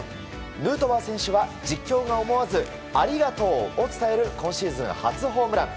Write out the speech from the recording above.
ヌートバー選手は実況が思わずアリガトウを伝える今シーズン初ホームラン。